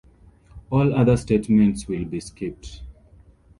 All other statements will be skipped.